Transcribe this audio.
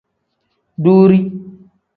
Duuri.